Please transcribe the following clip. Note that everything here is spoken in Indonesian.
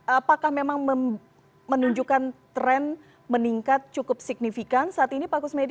apakah memang menunjukkan tren meningkat cukup signifikan saat ini pak kusmedi